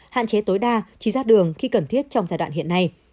hạn chế tối đa trí giác đường khi cần thiết trong giai đoạn hiện nay